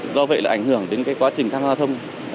do vậy là ảnh hưởng đến quá trình tham gia thông